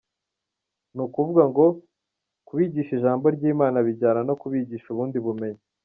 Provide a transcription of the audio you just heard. Ni ukuvuga ngo kubigisha ijambo ry’Imana bijyana no kubigisha ubundi bumenyi.